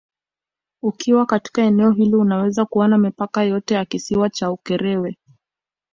Ukiwa katika eneo hili unaweza kuona mipaka yote ya Kisiwa cha Ukerewe